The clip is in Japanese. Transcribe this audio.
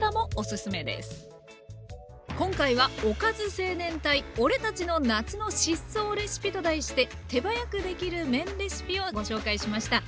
今回は「おかず青年隊俺たちの夏の疾走レシピ！」と題して手早くできる麺レシピをご紹介しました。